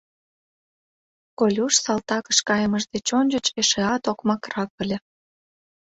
Колюш салтакыш кайымыж деч ончыч эшеат окмакрак ыле.